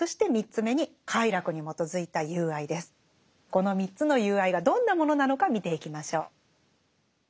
この３つの友愛がどんなものなのか見ていきましょう。